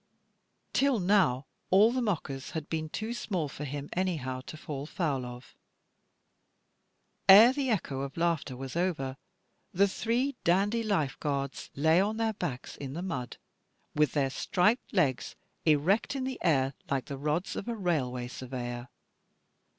Till now all the mockers had been too small for him anyhow to fall foul of. Ere the echo of laughter was over, the three dandy Lifeguards lay on their backs in the mud, with their striped legs erect in the air, like the rods of a railway surveyor.